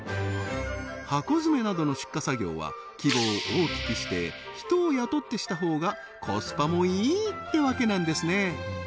箱詰めなどの出荷作業は規模を大きくして人を雇ってした方がコスパもいいってわけなんですね